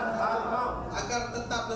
terima kasih pak